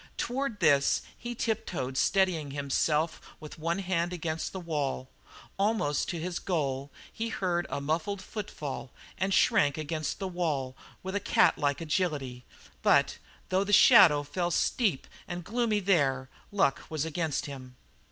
Toward this he tiptoed steadying himself with one hand against the wall. Almost to his goal, he heard a muffled footfall and shrank against the wall with a catlike agility, but, though the shadow fell steep and gloomy there, luck was against him.